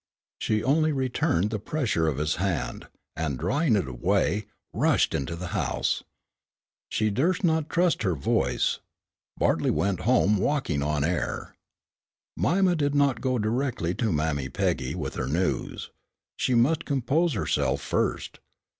She only returned the pressure of his hand, and drawing it away, rushed into the house. She durst not trust her voice. Bartley went home walking on air. Mima did not go directly to Mammy Peggy with her news. She must compose herself first.